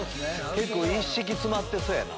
一式詰まってそうやな。